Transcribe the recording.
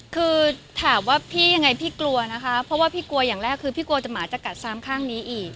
คือถามว่าพี่ยังไงพี่กลัวนะคะเพราะว่าพี่กลัวอย่างแรกคือพี่กลัวจะหมาจะกัดซ้ำข้างนี้อีก